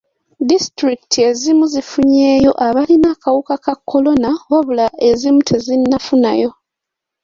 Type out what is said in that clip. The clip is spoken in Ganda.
Disitulikiti ezimu zifunyeeyo abalina akawuka ka kolona wabula ezimu tezinnafunayo.